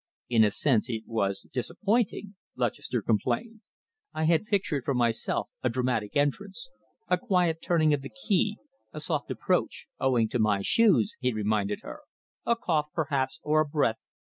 "In a sense it was disappointing," Lutchester complained. "I had pictured for myself a dramatic entrance ... a quiet turning of the key, a soft approach owing to my shoes," he reminded her "a cough, perhaps, or a breath